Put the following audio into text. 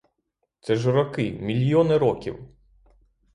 Це ж роки, мільйони років!